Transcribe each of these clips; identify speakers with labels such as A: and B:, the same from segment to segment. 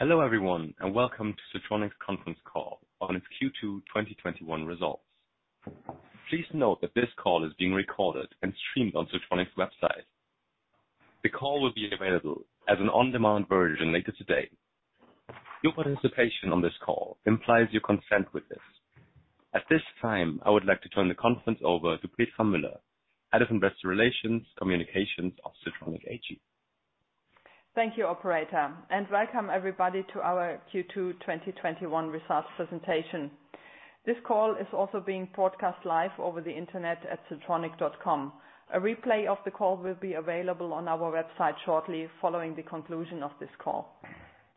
A: Hello everyone, welcome to Siltronic's conference call on its Q2 2021 results. Please note that this call is being recorded and streamed on Siltronic's website. The call will be available as an on-demand version later today. Your participation on this call implies your consent with this. At this time, I would like to turn the conference over to Petra Müller, Head of Investor Relations & Communications, Siltronic AG.
B: Thank you, operator, and welcome everybody to our Q2 2021 results presentation. This call is also being broadcast live over the internet at siltronic.com. A replay of the call will be available on our website shortly following the conclusion of this call.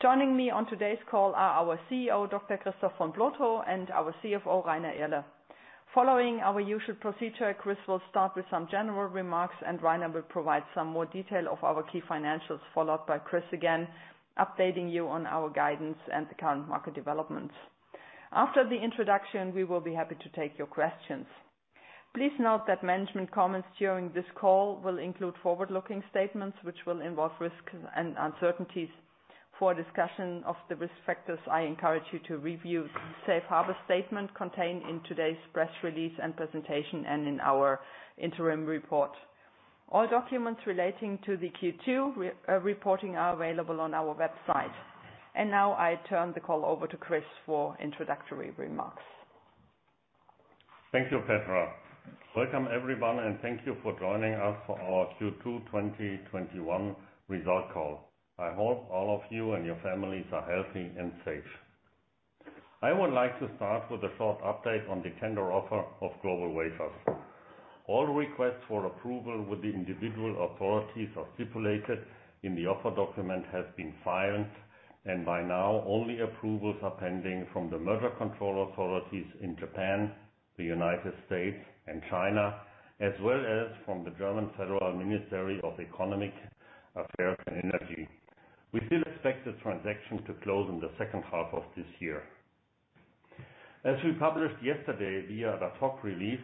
B: Joining me on today's call are our CEO, Dr. Christoph von Plotho, and our CFO, Rainer Irle. Following our usual procedure, Chris will start with some general remarks, and Rainer will provide some more detail of our key financials, followed by Chris again, updating you on our guidance and the current market developments. After the introduction, we will be happy to take your questions. Please note that management comments during this call will include forward-looking statements which will involve risks and uncertainties. For a discussion of the risk factors, I encourage you to review the safe harbor statement contained in today's press release and presentation and in our interim report. All documents relating to the Q2 reporting are available on our website. Now I turn the call over to Chris for introductory remarks.
C: Thank you, Petra. Welcome everyone, and thank you for joining us for our Q2 2021 result call. I hope all of you and your families are healthy and safe. I would like to start with a short update on the tender offer of GlobalWafers. All requests for approval with the individual authorities are stipulated in the offer document have been filed, and by now only approvals are pending from the merger control authorities in Japan, the United States, and China, as well as from the German Federal Ministry of Economic Affairs and Energy. We still expect the transaction to close in the second half of this year. As we published yesterday via the SOC release,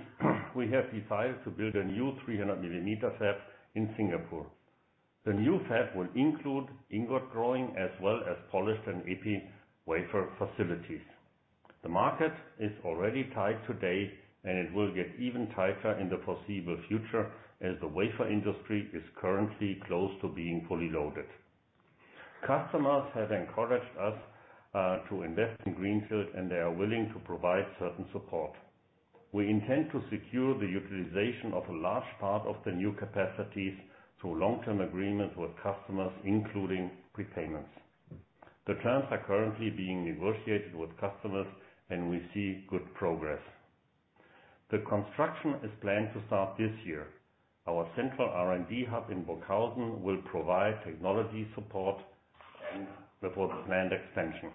C: we have decided to build a new 300-millimeter fab in Singapore. The new fab will include ingot growing as well as polished and EPI wafer facilities. The market is already tight today, and it will get even tighter in the foreseeable future as the wafer industry is currently close to being fully loaded. Customers have encouraged us to invest in greenfield, and they are willing to provide certain support. We intend to secure the utilization of a large part of the new capacities through Long-Term Agreements with customers, including prepayments. The terms are currently being negotiated with customers, and we see good progress. The construction is planned to start this year. Our central R&D hub in Burghausen will provide technology support and with our planned extension.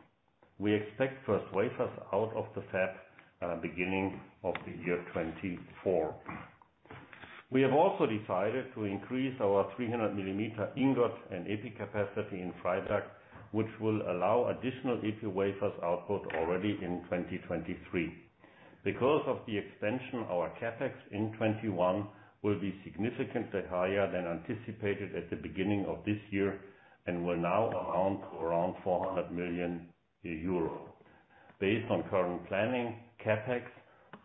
C: We expect first wafers out of the fab beginning of the year 2024. We have also decided to increase our 300-millimeter ingot and EPI capacity in Freiberg, which will allow additional EPI wafers output already in 2023. Because of the extension, our CapEx in 2021 will be significantly higher than anticipated at the beginning of this year and will now amount to around 400 million euros. Based on current planning, CapEx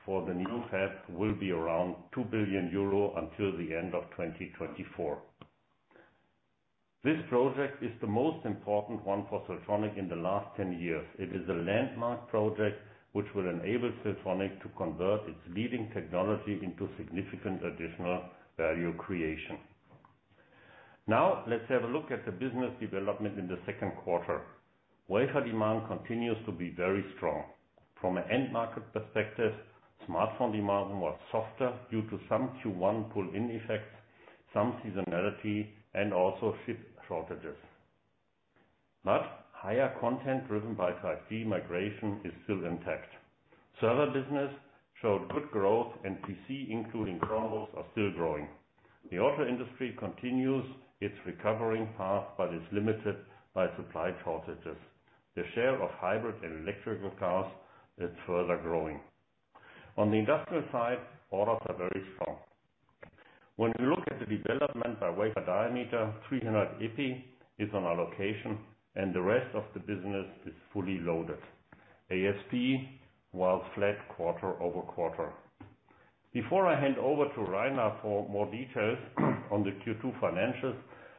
C: for the new fab will be around 2 billion euro until the end of 2024. This project is the most important one for Siltronic in the last 10 years. It is a landmark project, which will enable Siltronic to convert its leading technology into significant additional value creation. Now let's have a look at the business development in the second quarter. Wafer demand continues to be very strong. From an end market perspective, smartphone demand was softer due to some Q1 pull-in effects, some seasonality, and also chip shortages. Higher content driven by 5G migration is still intact. Server business showed good growth, PC, including Chromebooks, are still growing. The auto industry continues its recovering path but is limited by supply shortages. The share of hybrid and electrical cars is further growing. On the industrial side, orders are very strong. When we look at the development by wafer area diameter, 300-millimeter EPI is on allocation and the rest of the business is fully loaded. ASP was flat quarter-over-quarter. Before I hand over to Rainer for more details on the Q2 financials,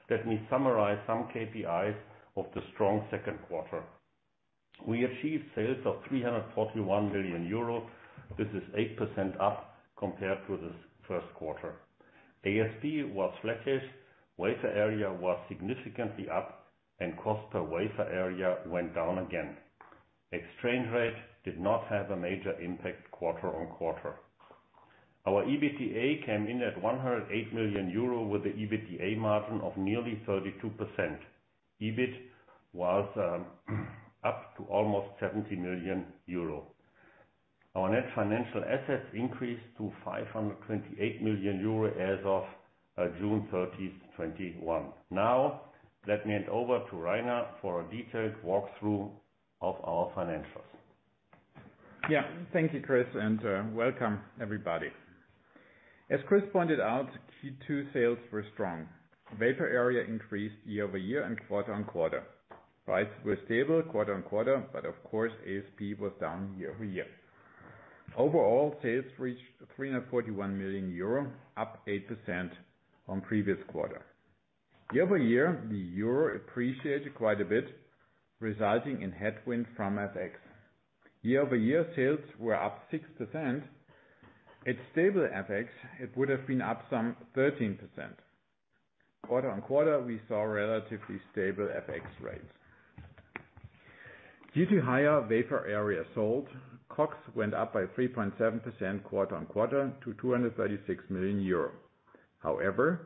C: let me summarize some KPIs of the strong second quarter. We achieved sales of 341 million euros. This is 8% up compared to the first quarter. ASP was flattish, wafer area was significantly up, and cost per wafer area went down again. Exchange rate did not have a major impact quarter-on-quarter. Our EBITDA came in at 108 million euro with the EBITDA margin of nearly 32%. EBIT was up to almost 70 million euro. Our net financial assets increased to 528 million euro as of June 30th, 2021. Let me hand over to Rainer for a detailed walkthrough of our financials.
D: Thank you, Chris, and welcome everybody. As Chris pointed out, Q2 sales were strong. Wafer area increased year-over-year and quarter-on-quarter. Prices were stable quarter-on-quarter. Of course, ASP was down year-over-year. Overall sales reached 341 million euro, up 8% from previous quarter. Year-over-year, the euro appreciated quite a bit, resulting in headwind from FX. Year-over-year, sales were up 6%. At stable FX, it would've been up some 13%. Quarter-on-quarter, we saw relatively stable FX rates. Due to higher wafer area sold, COGS went up by 3.7% quarter-on-quarter to 236 million euro.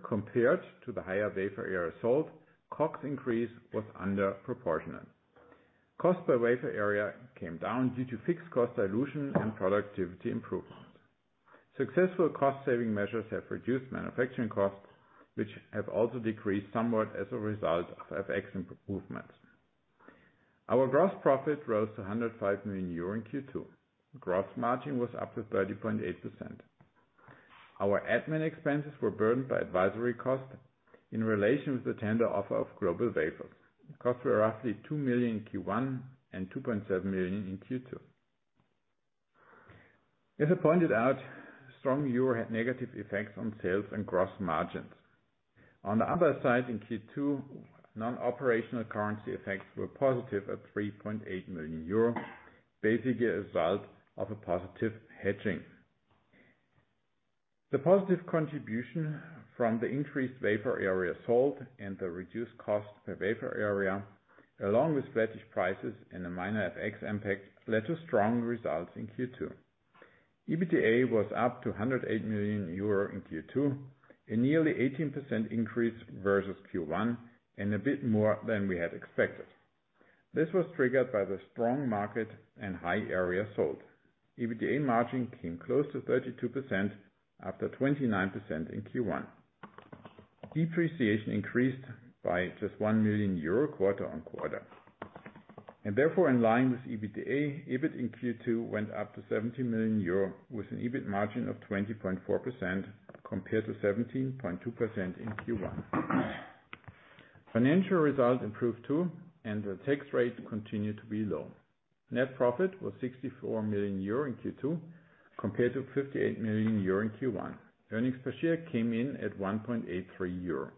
D: Compared to the higher wafer area sold, COGS increase was under proportionate. Cost per wafer area came down due to fixed cost dilution and productivity improvements. Successful cost saving measures have reduced manufacturing costs, which have also decreased somewhat as a result of FX improvements. Our gross profit rose to 105 million euro in Q2. Gross margin was up to 30.8%. Our admin expenses were burdened by advisory costs in relation with the tender offer of GlobalWafers. Costs were roughly 2 million in Q1 and 2.7 million in Q2. As I pointed out, strong euro had negative effects on sales and gross margins. On the other side, in Q2, non-operational currency effects were positive at 3.8 million euro, basically a result of a positive hedging. The positive contribution from the increased wafer area sold and the reduced cost per wafer area, along with flattish prices and a minor FX impact, led to strong results in Q2. EBITDA was up to 108 million euro in Q2, a nearly 18% increase versus Q1, and a bit more than we had expected. This was triggered by the strong market and high area sold. EBITDA margin came close to 32% after 29% in Q1. Depreciation increased by just 1 million euro quarter-on-quarter, and therefore in line with EBITDA, EBIT in Q2 went up to 70 million euro, with an EBIT margin of 20.4% compared to 17.2% in Q1. Financial results improved too, and the tax rate continued to be low. Net profit was 64 million euro in Q2 compared to 58 million euro in Q1. Earnings per share came in at 1.83 euro.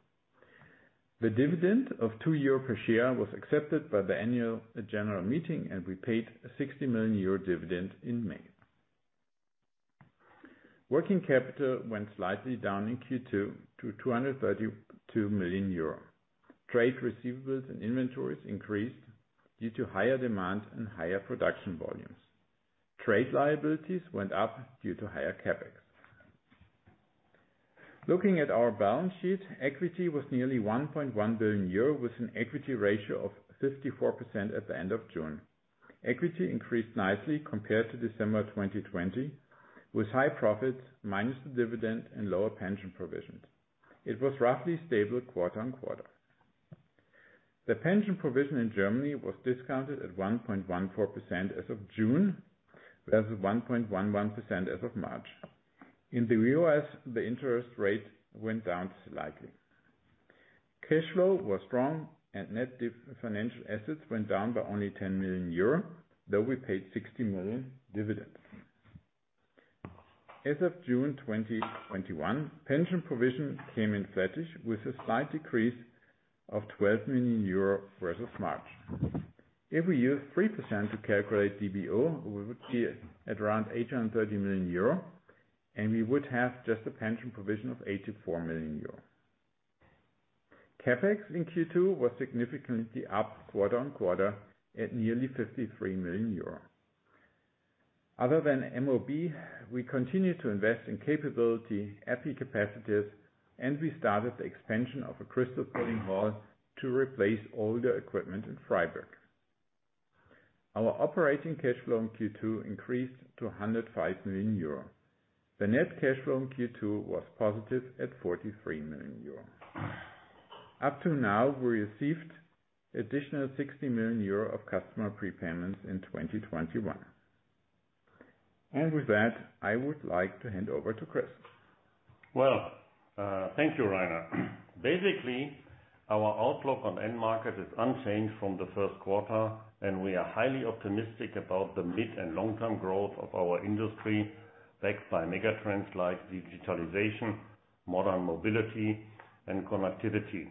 D: The dividend of 2 euro per share was accepted by the annual general meeting, and we paid a 60 million euro dividend in May. Working capital went slightly down in Q2 to 232 million euro. Trade receivables and inventories increased due to higher demand and higher production volumes. Trade liabilities went up due to higher CapEx. Looking at our balance sheet, equity was nearly 1.1 billion euro with an equity ratio of 54% at the end of June. Equity increased nicely compared to December 2020, with high profits minus the dividend and lower pension provisions. It was roughly stable quarter-over-quarter. The pension provision in Germany was discounted at 1.14% as of June, versus 1.11% as of March. In the U.S., the interest rate went down slightly. Cash flow was strong and net financial assets went down by only 10 million euro, though we paid 60 million dividend. As of June 2021, pension provision came in flattish with a slight decrease of 12 million euro versus March. If we use 3% to calculate PBO, we would be at around 830 million euro, and we would have just a pension provision of 84 million euro. CapEx in Q2 was significantly up quarter-over-quarter at nearly 53 million euro. Other than MOB, we continued to invest in capability, EPI capacities, and we started the expansion of a crystal pulling hall to replace older equipment in Freiberg. Our operating cash flow in Q2 increased to 105 million euro. The net cash flow in Q2 was positive at 43 million euro. Up to now, we received additional 60 million euro of customer prepayments in 2021. With that, I would like to hand over to Chris.
C: Well, thank you, Rainer. Basically, our outlook on end market is unchanged from the first quarter, and we are highly optimistic about the mid and long-term growth of our industry, backed by mega trends like digitalization, modern mobility, and connectivity.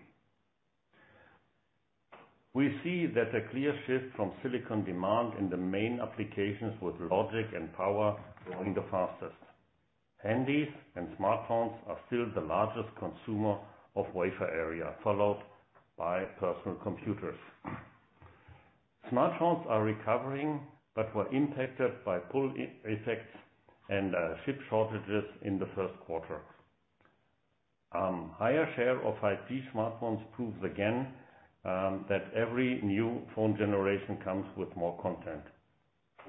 C: We see that a clear shift from silicon demand in the main applications with logic and power growing the fastest. Handsets and smartphones are still the largest consumer of wafer area, followed by personal computers. Smartphones are recovering, but were impacted by pull effects and chip shortages in the first quarter. Higher share of 5G smartphones proves again that every new phone generation comes with more content.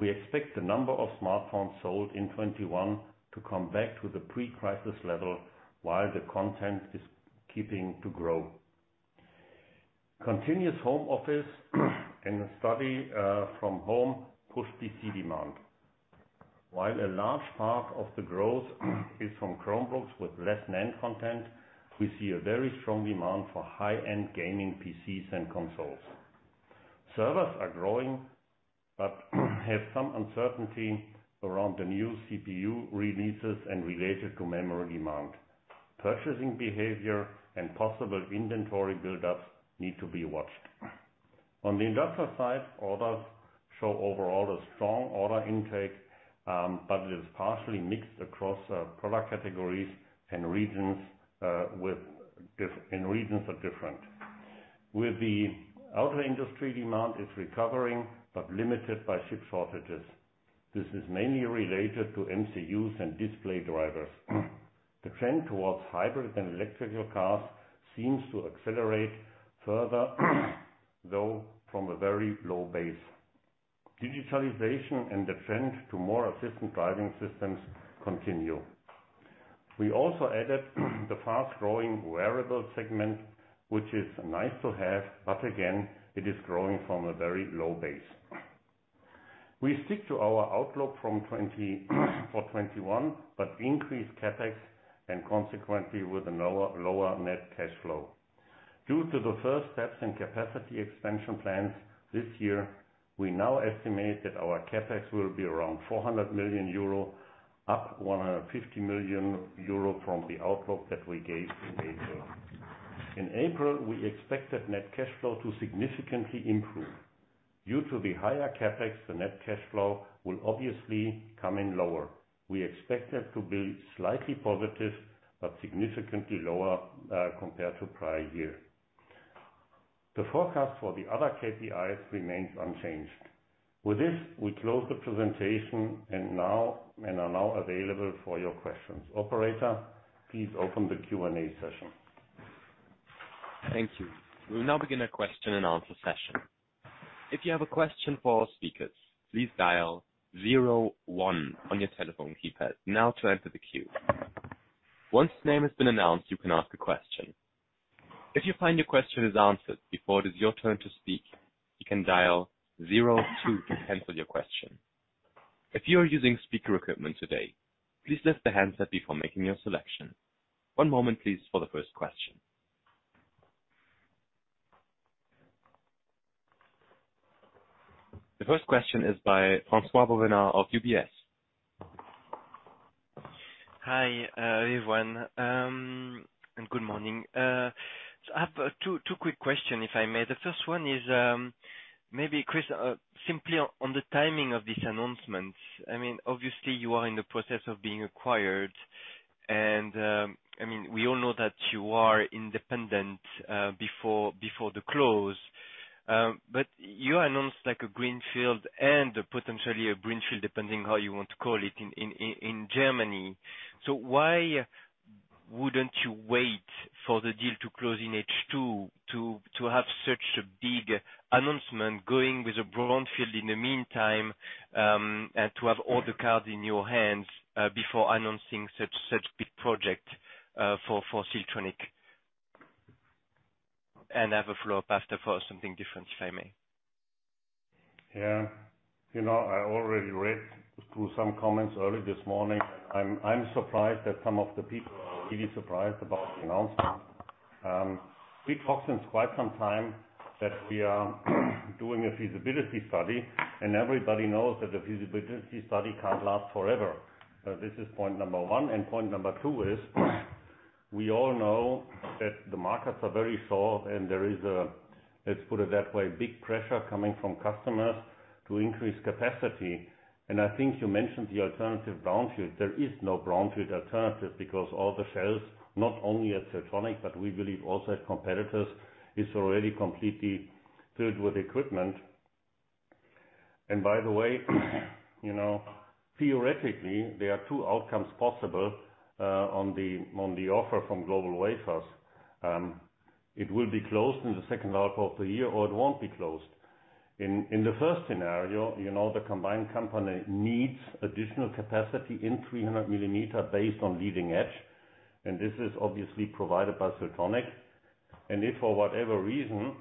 C: We expect the number of smartphones sold in 2021 to come back to the pre-crisis level while the content is keeping to grow. Continuous home office and study from home pushed PC demand. While a large part of the growth is from Chromebooks with less NAND content, we see a very strong demand for high-end gaming PCs and consoles. Servers are growing, but have some uncertainty around the new CPU releases and related to memory demand. Purchasing behavior and possible inventory buildups need to be watched. On the industrial side, orders show overall a strong order intake, but it is partially mixed across product categories and regions are different. With the auto industry, demand is recovering, but limited by chip shortages. This is mainly related to MCUs and display drivers. The trend towards hybrid and electrical cars seems to accelerate further, though from a very low base. Digitalization and the trend to more assistant driving systems continue. We also added the fast-growing wearable segment, which is nice to have, but again, it is growing from a very low base. We stick to our outlook for 2021 but increase CapEx and consequently with a lower net cash flow. Due to the first steps in capacity expansion plans this year, we now estimate that our CapEx will be around 400 million euro, up 150 million euro from the outlook that we gave in April. In April, we expected net cash flow to significantly improve. Due to the higher CapEx, the net cash flow will obviously come in lower. We expect it to be slightly positive, but significantly lower compared to prior year. The forecast for the other KPIs remains unchanged. With this, we close the presentation and are now available for your questions. Operator, please open the Q&A session.
A: Thank you. We will now begin a question and answer session. If you have a question for our speakers, please dial zero one on your telephone keypad now to enter the queue. Once the name has been announced, you can ask a question. If you find your question is answered before it is your turn to speak, you can dial zero two to cancel your question. If you are using speaker equipment today, please lift the handset before making your selection. One moment, please, for the first question. The first question is by François-Xavier Bouvignies of UBS.
E: Hi, everyone. Good morning. I have two quick question, if I may. The first one is, maybe Chris, simply on the timing of this announcement. Obviously you are in the process of being acquired and we all know that you are independent before the close. You announced a greenfield and potentially a brownfield, depending how you want to call it, in Germany. Why wouldn't you wait for the deal to close in H2 to have such a big announcement going with a brownfield in the meantime, and to have all the cards in your hands before announcing such big project for Siltronic? Have a follow-up after for something different, if I may.
C: Yeah. I already read through some comments early this morning. I am surprised that some of the people are really surprised about the announcement. We talked since quite some time that we are doing a feasibility study. Everybody knows that a feasibility study can't last forever. This is point number one. Point number two is we all know that the markets are very sore, and there is a, let's put it that way, big pressure coming from customers to increase capacity. I think you mentioned the alternative brownfield. There is no brownfield alternative because all the shelves, not only at Siltronic, but we believe also at competitors, is already completely filled with equipment. By the way, theoretically there are two outcomes possible on the offer from GlobalWafers. It will be closed in the second half of the year, or it won't be closed. In the first scenario, the combined company needs additional capacity in 300-millimeter based on leading edge. This is obviously provided by Siltronic. If for whatever reason,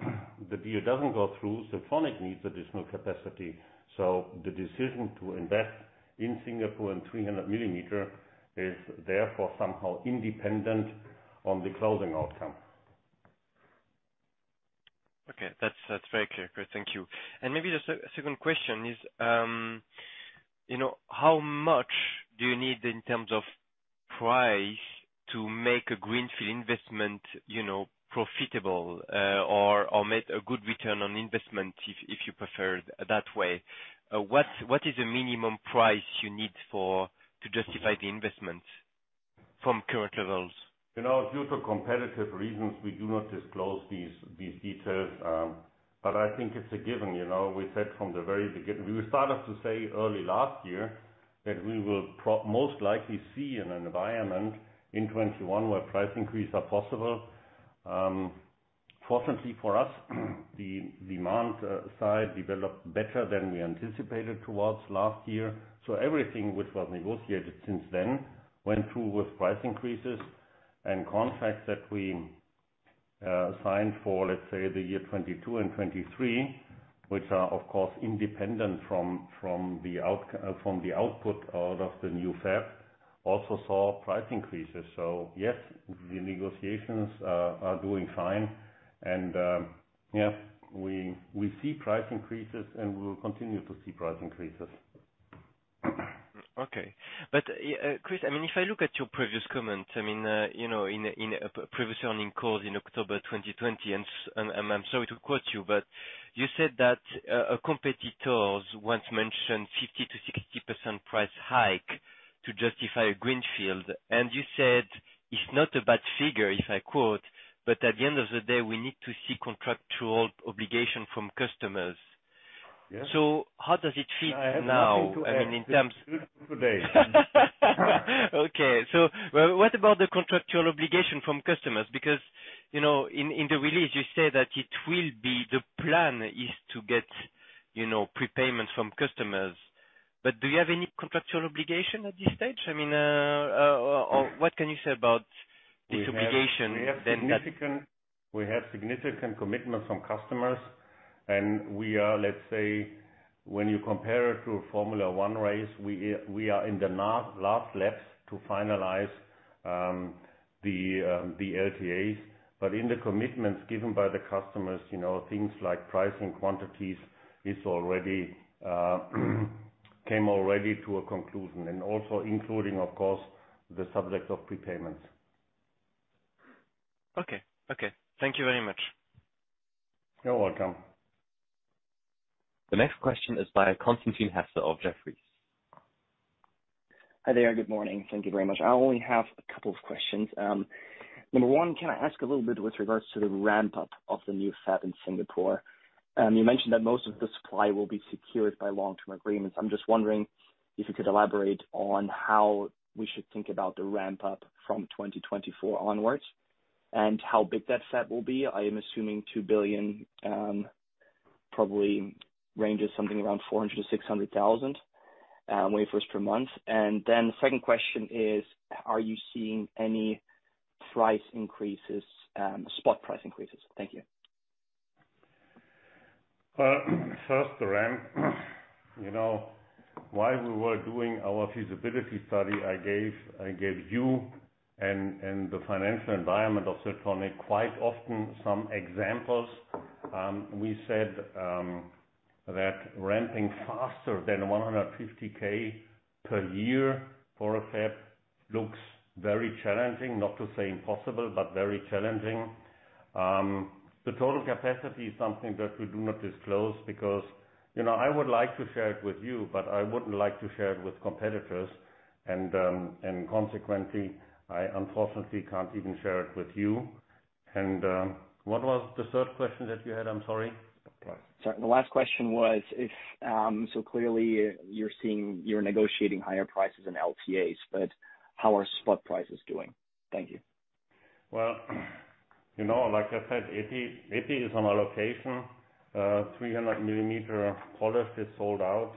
C: the deal doesn't go through, Siltronic needs additional capacity. The decision to invest in Singapore and 300-millimeter is therefore somehow independent on the closing outcome.
E: Okay. That's very clear, Chris. Thank you. Maybe just a second question is, how much do you need in terms of price to make a greenfield investment profitable, or make a good return on investment, if you prefer it that way? What is the minimum price you need to justify the investment from current levels?
C: Due to competitive reasons, we do not disclose these details. I think it's a given. We said from the very beginning. We started to say early last year that we will most likely see an environment in 2021 where price increase are possible. Fortunately for us, the demand side developed better than we anticipated towards last year. Everything which was negotiated since then went through with price increases and contracts that we signed for, let's say, the year 2022 and 2023, which are, of course, independent from the output out of the new fab, also saw price increases. Yes, the negotiations are doing fine and we see price increases and we will continue to see price increases.
E: Okay. Chris, if I look at your previous comment, in a previous earnings call in October 2020, I'm sorry to quote you, but you said that competitors once mentioned 50%-60% price hike to justify a greenfield. You said, "It's not a bad figure," if I quote, "but at the end of the day, we need to see contractual obligation from customers.
C: Yes.
E: How does it fit now?
C: I have nothing to add. It's good today.
E: What about the contractual obligation from customers? In the release, you say that the plan is to get prepayments from customers. Do you have any contractual obligation at this stage? What can you say about this obligation?
C: We have significant commitments from customers. We are, let's say, when you compare it to a Formula One race, we are in the last laps to finalize the LTAs. In the commitments given by the customers, things like pricing quantities came already to a conclusion. Also including, of course, the subject of prepayments.
E: Okay. Thank you very much.
C: You're welcome.
A: The next question is by Constantin Hesse of Jefferies.
F: Hi there. Good morning. Thank you very much. I only have a couple of questions. Number one, can I ask a little bit with regards to the ramp-up of the new fab in Singapore? You mentioned that most of the supply will be secured by long-term agreements. I'm just wondering if you could elaborate on how we should think about the ramp-up from 2024 onwards and how big that fab will be. I am assuming 2 billion, probably ranges something around 400,000-600,000 wafers per month. The second question is, are you seeing any price increases, spot price increases? Thank you.
C: Well, first, the ramp. While we were doing our feasibility study, I gave you and the financial environment of Siltronic quite often some examples. We said that ramping faster than 150,000 per year for a fab looks very challenging. Not to say impossible, but very challenging. The total capacity is something that we do not disclose because I would like to share it with you, but I wouldn't like to share it with competitors. Consequently, I unfortunately can't even share it with you. What was the third question that you had? I'm sorry.
F: Sorry. The last question was, clearly you're negotiating higher prices in LTAs, but how are spot prices doing? Thank you.
C: Well, like I said, EPI is on allocation. 300-millimeter polished is sold out.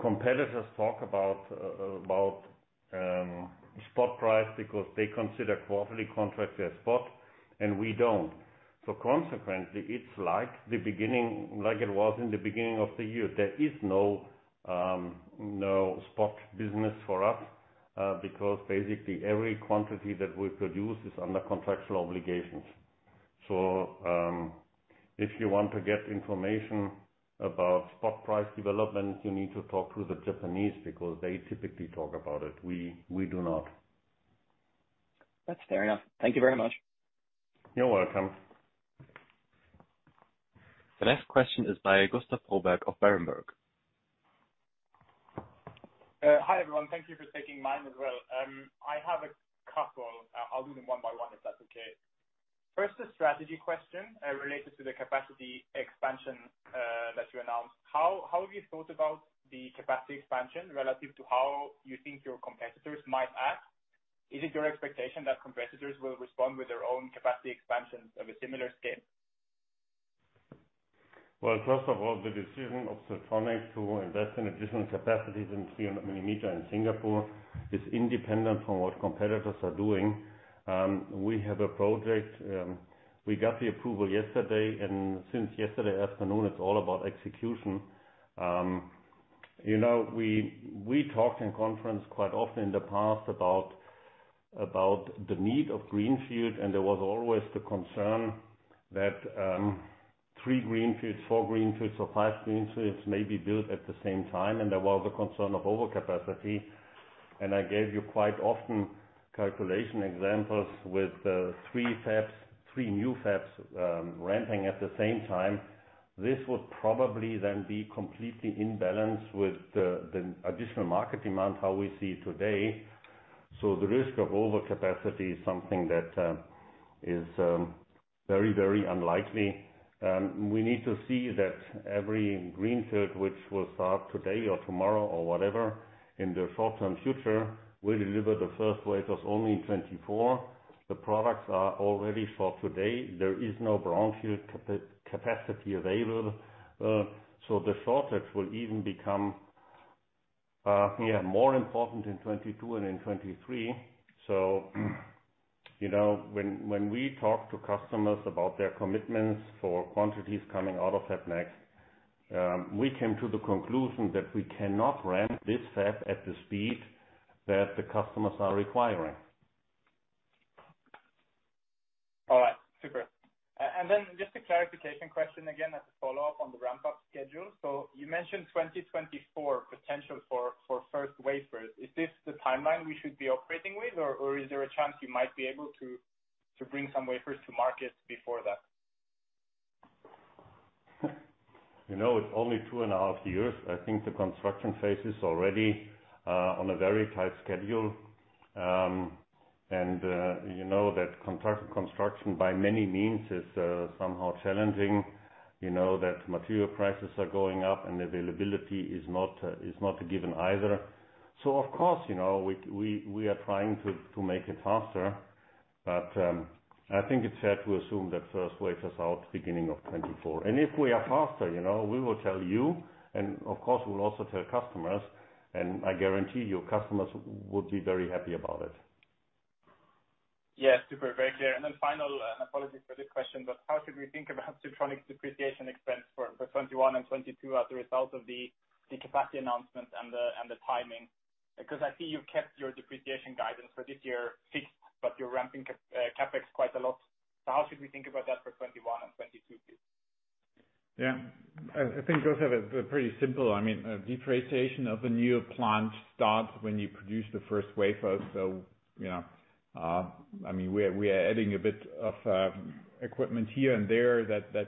C: Competitors talk about spot price because they consider quarterly contracts as spot, we don't. Consequently, it's like it was in the beginning of the year. There is no spot business for us, because basically every quantity that we produce is under contractual obligations. If you want to get information about spot price development, you need to talk to the Japanese because they typically talk about it. We do not.
F: That's fair enough. Thank you very much.
C: You're welcome.
A: The next question is by Gustav Froberg of Berenberg.
G: Hi, everyone. Thank you for taking mine as well. I have a couple. I'll do them one by one, if that's okay. First, a strategy question related to the capacity expansion that you announced. How have you thought about the capacity expansion relative to how you think your competitors might act? Is it your expectation that competitors will respond with their own capacity expansions of a similar scale?
C: Well, first of all, the decision of Siltronic to invest in additional capacities in 300-millimeter in Singapore is independent from what competitors are doing. We have a project. We got the approval yesterday, and since yesterday afternoon, it's all about execution. We talked in conference quite often in the past about the need of greenfield, and there was always the concern that three greenfields, four greenfields, or five greenfields may be built at the same time, and there was a concern of overcapacity. I gave you quite often calculation examples with three new fabs ramping at the same time. This would probably then be completely in balance with the additional market demand, how we see it today. The risk of overcapacity is something that is very unlikely. We need to see that every greenfield, which will start today or tomorrow or whatever, in the short-term future, will deliver the first wafers only in 2024. The products are all ready for today. There is no brownfield capacity available. The shortage will even become more important in 2022 and in 2023. When we talk to customers about their commitments for quantities coming out of FabNext, we came to the conclusion that we cannot ramp this fab at the speed that the customers are requiring.
G: All right, super. Just a clarification question again, as a follow-up on the ramp-up schedule. You mentioned 2024 potential for first wafers. Is this the timeline we should be operating with, or is there a chance you might be able to bring some wafers to market before that?
C: It's only two and a half years. I think the construction phase is already on a very tight schedule. You know that construction by many means is somehow challenging. You know that material prices are going up and availability is not a given either. Of course, we are trying to make it faster. I think it's fair to assume that first wafers out beginning of 2024. If we are faster, we will tell you, and of course we will also tell customers, and I guarantee you customers would be very happy about it.
G: Yeah. Super. Very clear. Then final, and apologies for this question, but how should we think about Siltronic's depreciation expense for 2021 and 2022 as a result of the capacity announcements and the timing? I see you've kept your depreciation guidance for this year fixed, but you're ramping CapEx quite a lot. How should we think about that for 2021 and 2022 please?
C: Depreciation of a new plant starts when you produce the first wafer. We are adding a bit of equipment here and there that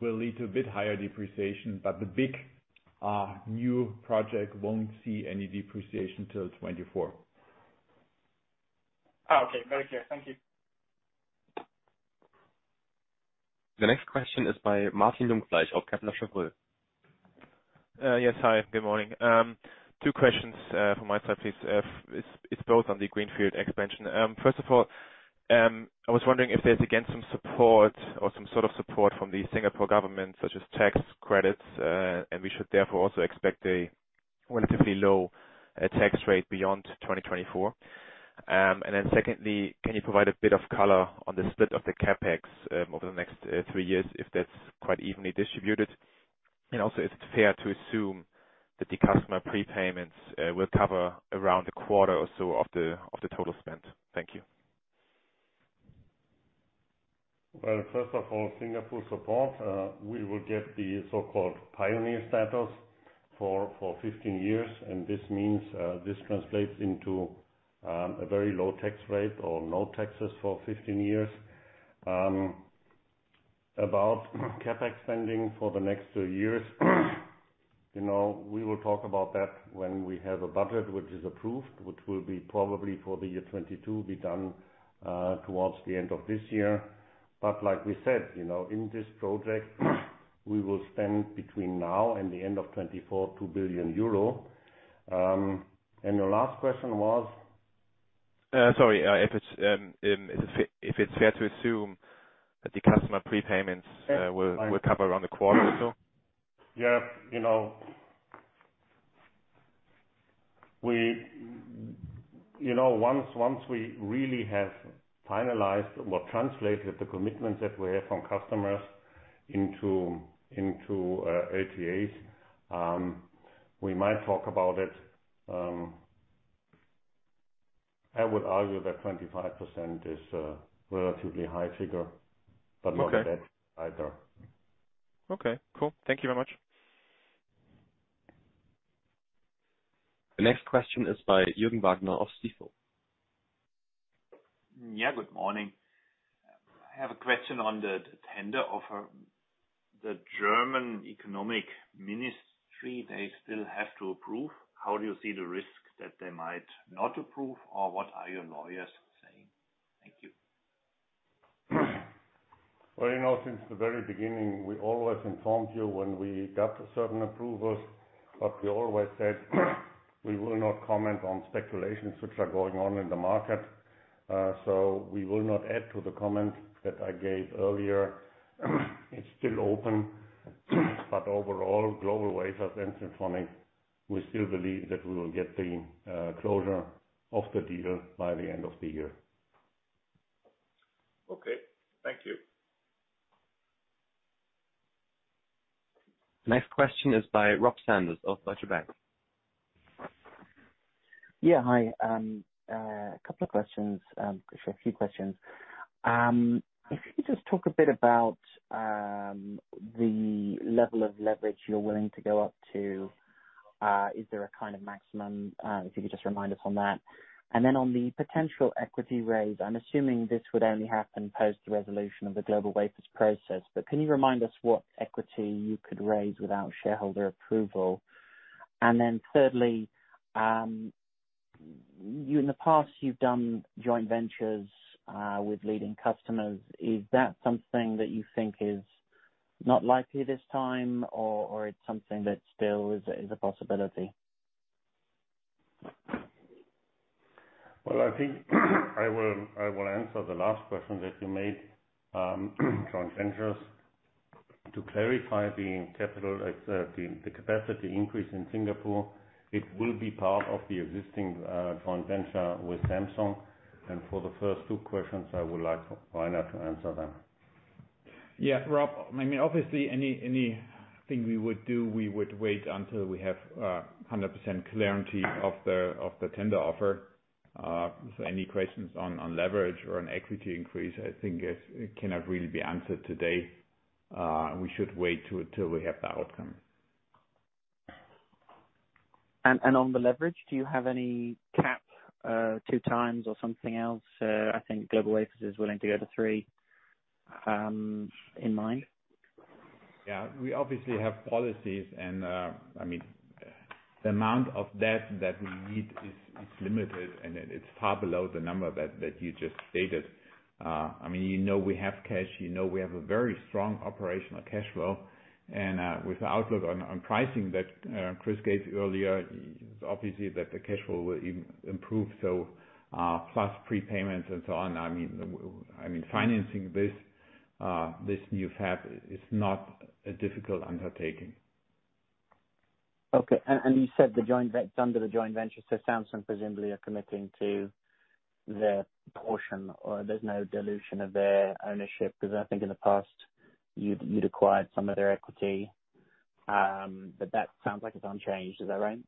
C: will lead to a bit higher depreciation. The big new project won't see any depreciation till 2024.
G: Oh, okay. Very clear. Thank you.
A: The next question is by Martin Jungfleisch of Kepler Cheuvreux.
H: Yes. Hi, good morning. Two questions from my side, please. It's both on the greenfield expansion. I was wondering if there's, again, some support or some sort of support from the Singapore Government, such as tax credits, and we should therefore also expect a relatively low tax rate beyond 2024. Can you provide a bit of color on the split of the CapEx over the next three years, if that's quite evenly distributed? Is it fair to assume that the customer prepayments will cover around a quarter or so of the total spend? Thank you.
C: Well, first of all, Singapore support. We will get the so-called pioneer status for 15 years. This translates into a very low tax rate or no taxes for 15 years. About CapEx spending for the next two years, we will talk about that when we have a budget which is approved, which will be probably for the year 2022, be done towards the end of this year. Like we said, in this project, we will spend between now and the end of 2024, 2 billion euro. Your last question was?
H: Sorry. If it's fair to assume that the customer prepayments will cover around a quarter or so?
C: Yeah. Once we really have finalized or translated the commitments that we have from customers into LTAs, we might talk about it. I would argue that 25% is a relatively high figure, but not that either.
H: Okay, cool. Thank you very much.
A: The next question is by Jürgen Wagner of Stifel.
I: Yeah, good morning. I have a question on the tender offer. The German Economic Ministry, they still have to approve. How do you see the risk that they might not approve? What are your lawyers saying? Thank you.
C: Since the very beginning, we always informed you when we got certain approvals, but we always said we will not comment on speculations which are going on in the market. We will not add to the comment that I gave earlier. It's still open, but overall, GlobalWafers and Siltronic, we still believe that we will get the closure of the deal by the end of the year.
I: Okay. Thank you.
A: Next question is by Rob Sanders of Deutsche Bank.
J: Yeah, hi. A couple of questions. For sure a few questions. If you could just talk a bit about the level of leverage you're willing to go up to. Is there a kind of maximum, if you could just remind us on that. On the potential equity raise, I'm assuming this would only happen post the resolution of the GlobalWafers process. Can you remind us what equity you could raise without shareholder approval? Thirdly, in the past, you've done joint ventures with leading customers. Is that something that you think is not likely this time, or it's something that still is a possibility?
C: Well, I think I will answer the last question that you made, joint ventures. To clarify the capacity increase in Singapore, it will be part of the existing joint venture with Samsung. For the first two questions, I would like for Rainer to answer them.
D: Yeah. Rob, obviously, anything we would do, we would wait until we have 100% clarity of the tender offer. Any questions on leverage or an equity increase, I think it cannot really be answered today. We should wait till we have the outcome.
J: On the leverage, do you have any Cap, 2x or something else? I think GlobalWafers is willing to go to three, in mind.
D: Yeah. We obviously have policies, and the amount of debt that we need is limited, and it's far below the number that you just stated. We have cash, we have a very strong operational cash flow. With the outlook on pricing that Chris gave you earlier, obviously that the cash flow will improve, so plus prepayments and so on. Financing this new fab is not a difficult undertaking.
J: Okay. You said it's under the joint venture, so Samsung presumably are committing to their portion, or there's no dilution of their ownership? I think in the past you'd acquired some of their equity. That sounds like it's unchanged. Is that right?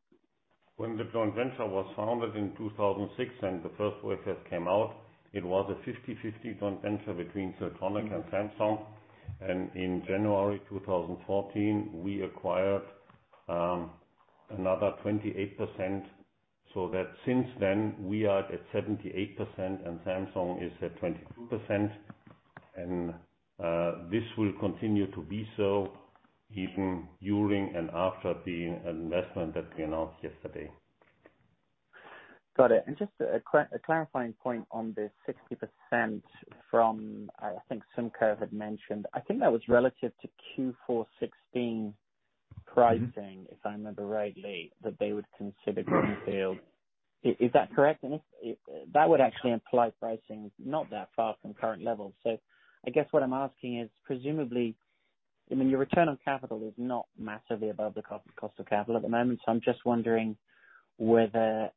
C: When the joint venture was founded in 2006 and the first wafer came out, it was a 50/50 joint venture between Siltronic and Samsung. In January 2014, we acquired another 28%, so that since then, we are at 78% and Samsung is at 22%. This will continue to be so even during and after the investment that we announced yesterday.
J: Got it. Just a clarifying point on the 60% from, I think SUMCO had mentioned. I think that was relative to Q4 2016 pricing, if I remember rightly, that they would consider greenfield. Is that correct? If that would actually imply pricing not that far from current levels. I guess what I'm asking is, presumably, your return on capital is not massively above the cost of capital at the moment. I'm just wondering whether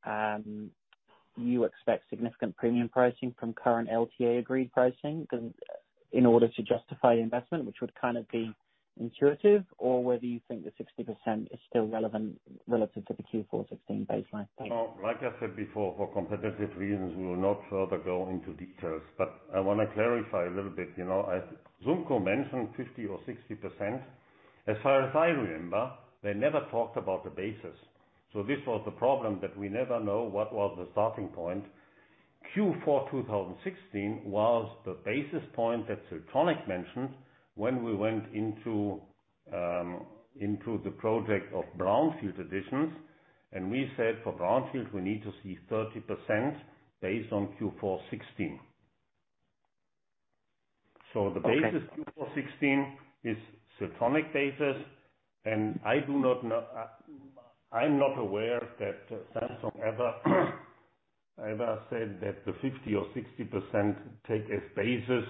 J: you expect significant premium pricing from current LTA agreed pricing, in order to justify the investment, which would kind of be intuitive, or whether you think the 60% is still relevant relative to the Q4 2016 baseline, please?
C: Like I said before, for competitive reasons, we will not further go into details. I want to clarify a little bit. SUMCO mentioned 50% or 60%. As far as I remember, they never talked about the basis. This was the problem, that we never know what was the starting point. Q4 2016 was the basis point that Siltronic mentioned when we went into the project of brownfield additions. We said for brownfield, we need to see 30% based on Q4 2016. The basis.
J: Okay
C: Q4 2016 is Siltronic basis. I'm not aware that Samsung ever said that the 50% or 60% take as basis,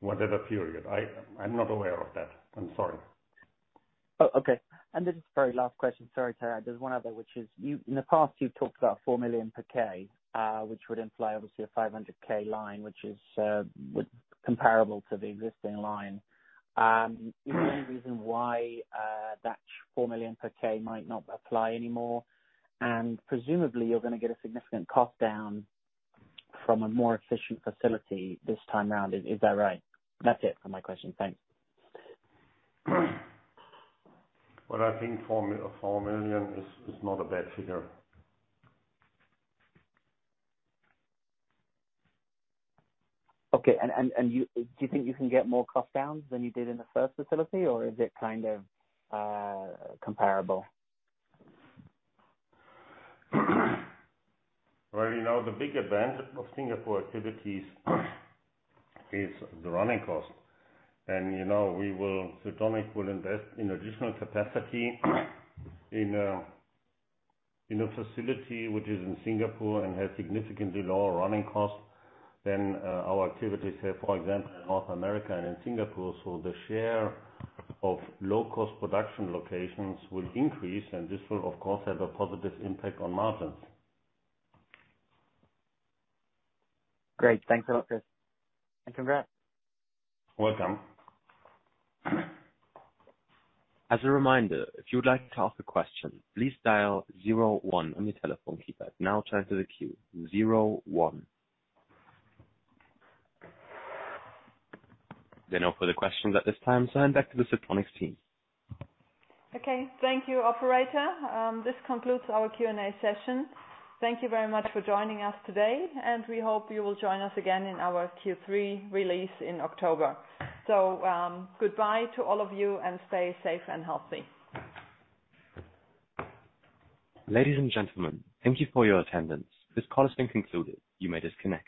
C: whatever period. I'm not aware of that. I'm sorry.
J: Oh, okay. This is the very last question. Sorry, Petra. There's one other, which is, in the past, you talked about 4 million per K, which would imply obviously a 500,000 line, which is comparable to the existing line. Is there any reason why that 4 million per K might not apply anymore? Presumably, you're going to get a significant cost down from a more efficient facility this time around. Is that right? That's it for my question. Thanks.
C: Well, I think 4 million is not a bad figure.
J: Okay. Do you think you can get more cost downs than you did in the first facility, or is it kind of comparable?
C: Well, the big advantage of Singapore activities is the running cost. Siltronic will invest in additional capacity in a facility which is in Singapore and has significantly lower running costs than our activities here, for example, in North America and in Singapore. The share of low-cost production locations will increase, and this will, of course, have a positive impact on margins.
J: Great. Thanks a lot, Chris. Congrats.
C: Welcome.
A: As a reminder, if you would like to ask a question, please dial zero one on your telephone keypad. There are no further questions at this time. I hand back to the Siltronic team.
B: Okay. Thank you, operator. This concludes our Q&A session. Thank you very much for joining us today, and we hope you will join us again in our Q3 release in October. Goodbye to all of you, and stay safe and healthy.
A: Ladies and gentlemen, thank you for your attendance. This call has been concluded. You may disconnect.